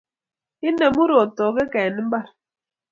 Inemu rotokek eng mbar